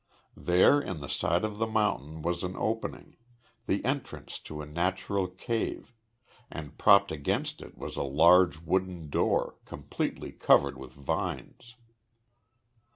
There in the side of the mountain was an opening, the entrance to a natural cave, and propped against it was a large wooden door, completely covered with vines.